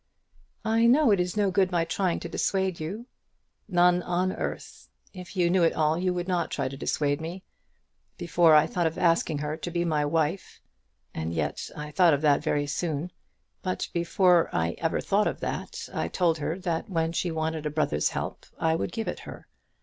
"I know it is no good my trying to dissuade you." "None on earth. If you knew it all you would not try to dissuade me. Before I thought of asking her to be my wife, and yet I thought of that very soon; but before I ever thought of that, I told her that when she wanted a brother's help I would give it her.